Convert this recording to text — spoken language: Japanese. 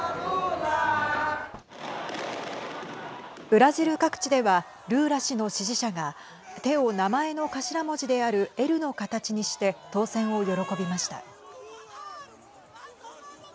ブラジル各地ではルーラ氏の支持者が手を名前の頭文字であるＬの形にして当選を喜びました。